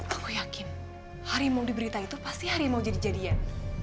aku yakin harimau di berita itu pasti harimau jadi jadian